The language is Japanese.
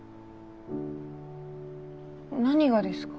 何がですか？